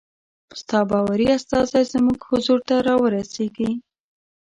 ستا باوري استازی زموږ حضور ته را ورسیږي.